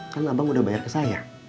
kan abang udah bayar ke saya